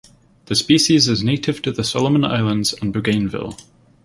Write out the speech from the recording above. The species is native to the Solomon Islands and Bougainville.